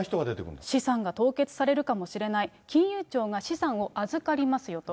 資産が凍結されるかもしれない、金融庁が資産を預かりますよと。